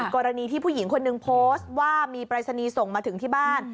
กรณีที่ผู้หญิงคนนึงโพสต์ว่ามีปรายศนีย์ส่งมาถึงที่บ้าน